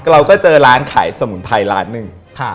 เราก็เจอร้านขายสมุนไพรร้านหนึ่ง